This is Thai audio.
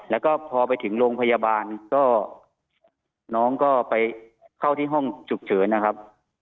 แล้วก็พอไปถึงโรงพยาบาลก็น้องก็ไปเข้าที่ห้องฉุกเฉินนะครับ